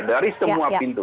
dari semua pintu